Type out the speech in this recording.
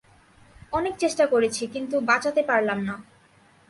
অনেক চেষ্টা করেছি কিন্তু বাঁচাতে পারলাম না।